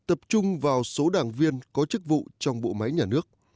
tập trung vào số đảng viên có chức vụ trong bộ máy nhà nước